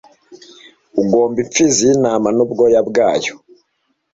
ugomba impfizi y'intama n'ubwoya bwayo